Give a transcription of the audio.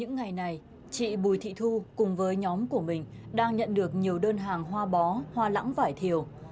ngày này chị bùi thị thu cùng với nhóm của mình đang nhận được nhiều đơn hàng hoa bó hoa lãng vải thiều